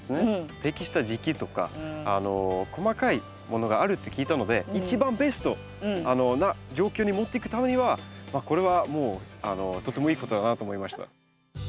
適した時期とか細かいものがあるって聞いたのでいちばんベストな状況に持っていくためには、これはもうとてもいいことだなと思いました。